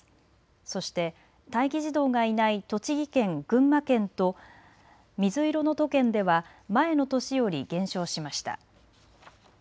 そして待機児童がいない栃木県、群馬県と水色の都県では前の年より減少しました。